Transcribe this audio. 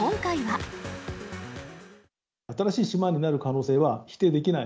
新しい島になる可能性は否定できない。